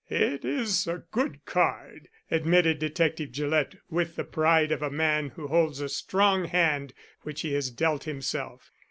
"It is a good card," admitted Detective Gillett, with the pride of a man who holds a strong hand which he has dealt himself.